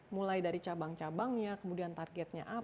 mulai dari cabang cabangnya kemudian targetnya apa